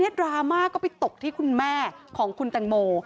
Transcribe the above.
ดราม่าก็ไปตกที่คุณแม่ของคุณแตงโม